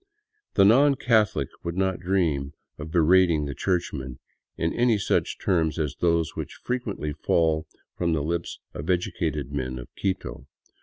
The non Catholic would not dream of berating the churchmen in any such terms as those which frequently fall from the lips of educated men of Quito.